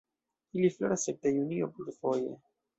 Ili floras ekde junio plurfoje.